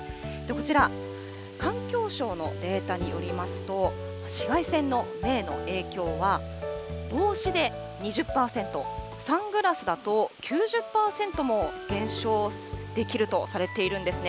こちら、環境省のデータによりますと、紫外線の目への影響は、帽子で２０％、サングラスだと９０％も減少できるとされているんですね。